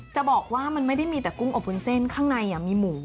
จะบอกว่ามันไม่ได้มีแต่กุ้งอบวุ้นเส้นข้างในมีหมู